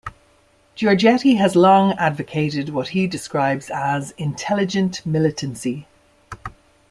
Georgetti has long advocated what he describes as "intelligent militancy".